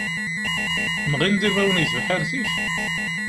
Mɣin-d ibawen deg tebḥirt-ik?